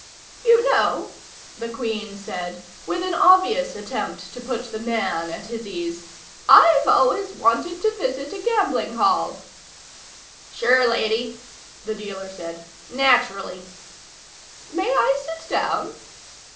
"You know," the Queen said, with an obvious attempt to put the man at his ease, "I've always wanted to visit a gambling hall." "Sure, lady," the dealer said. "Naturally." "May I sit down?"